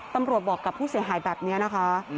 ตำรวจบอกกับผู้เสียหายแบบนี้นะคะ